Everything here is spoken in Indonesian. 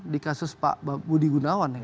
di kasus pak budi gunawan ya